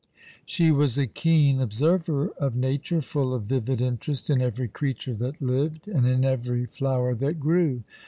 She was a keen observer of Nature, full of vivid interest in every creature that lived, and in every flower that grew.